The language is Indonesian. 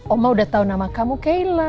oma udah tahu nama kamu kayla